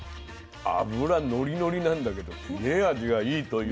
脂ノリノリなんだけど切れ味がいいというかね。